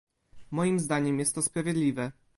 Moim zdaniem jest to sprawiedliwe